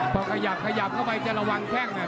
พอขยับเข้าไปจะระวังแค่ไหน